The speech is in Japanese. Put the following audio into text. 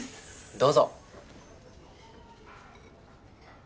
どうぞ。